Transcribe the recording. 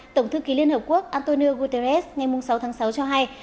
tổng thư ký liên hợp quốc antonio guterres ngày sáu tháng sáu cho hay